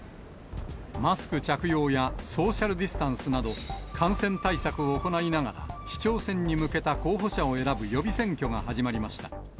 マスク着用やソーシャルディスタンスなど、感染対策を行いながら、市長選に向けた候補者を選ぶ予備選挙が始まりました。